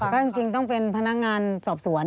ก็จริงต้องเป็นพนักงานสอบสวน